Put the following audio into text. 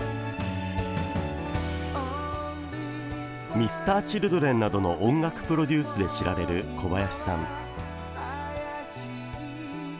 Ｍｒ．Ｃｈｉｌｄｒｅｎなどの音楽プロデュースで知られる小林さん。